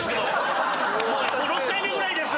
もう６回目ぐらいです！